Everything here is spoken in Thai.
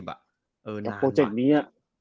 โปรเจคนี้